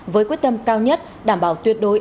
với quyết tâm cao nhất đảm bảo tuyệt đối